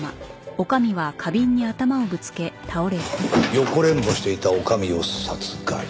横恋慕していた女将を殺害。